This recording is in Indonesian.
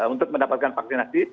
untuk mendapatkan vaksinasi